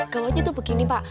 gawatnya tuh begini pak